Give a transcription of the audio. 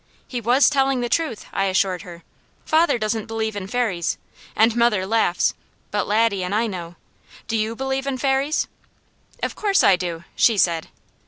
"He was telling the truth," I assured her. "Father doesn't believe in Fairies, and mother laughs, but Laddie and I know. Do you believe in Fairies?" "Of course I do!" she said.